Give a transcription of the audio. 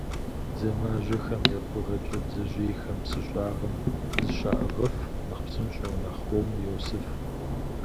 Бдзэмажьэхэм я фӏыгъэкӏэ бдзэжьейхэм псы щӏагъым зыщаӏыгъыф, нэхъ псынщӏэу, нэхъ хуэму йосыф.